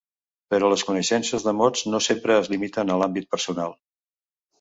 Però les coneixences de mots no sempre es limiten a l'àmbit personal.